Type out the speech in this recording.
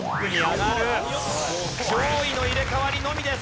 上位の入れ替わりのみです。